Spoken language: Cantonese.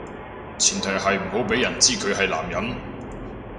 前提係唔好畀人知佢係男人